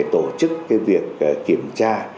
tổ chức cái việc kiểm tra